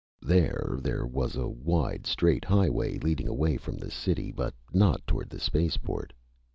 There there was a wide straight highway leading away from the city but not toward the spaceport.